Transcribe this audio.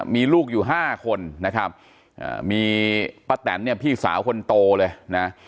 มีลูกอยู่๕คนนะครับมีป้าแตนเนี่ยพี่สาวคนโตเลยนะ